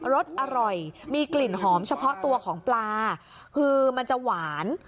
รสอร่อยมีกลิ่นหอมเฉพาะตัวของปลาคือมันจะหวาน